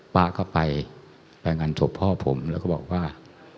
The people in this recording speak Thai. ป้าก็ไปไปงานศพพ่อผมแล้วก็บอกว่า